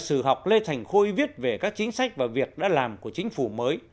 sử học lê thành khôi viết về các chính sách và việc đã làm của chính phủ mới